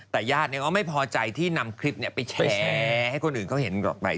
แต่ญาติก็ไม่พอใจที่นำคลิปไปแชร์ให้คนอื่นเขาเห็นต่อไป